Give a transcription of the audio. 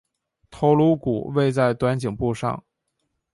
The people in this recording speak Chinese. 头颅骨位在短颈部上。